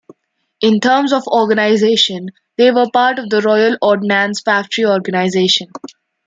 In terms of organisation, they were part of the Royal Ordnance Factory organisation.